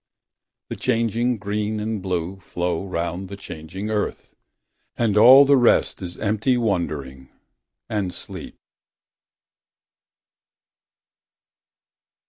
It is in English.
The changing green and blue Flow round the changing earth; And all the rest is empty wondering and sleep.